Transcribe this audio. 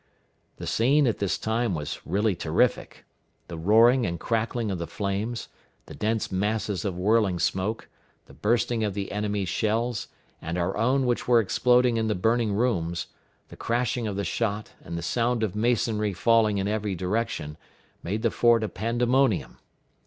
The scene at this time was really terrific. The roaring and crackling of the flames, the dense masses of whirling smoke, the bursting of the enemy's shells, and our own which were exploding in the burning rooms, the crashing of the shot, and the sound of masonry falling in every direction, made the fort a pandemonium.